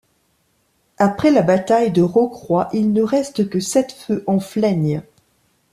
Après la bataille de Rocroi il ne reste que sept feux en Flaignes.